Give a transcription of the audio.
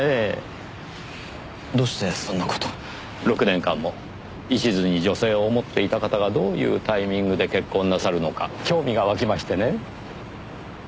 ６年間も一途に女性を思っていた方がどういうタイミングで結婚なさるのか興味がわきましてね。